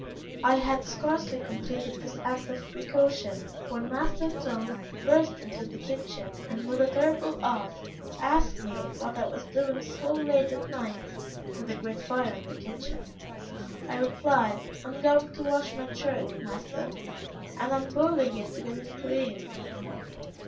I had scarcely completed this act of precaution, when master Tom burst into the kitchen, and with a terrible oath, asked me what I was doing so late at night, with a great fire in the kitchen. I replied, 'I am going to wash my shirt, master, and am boiling it to get it clean.'